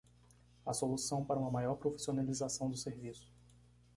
A solução para uma maior profissionalização do serviço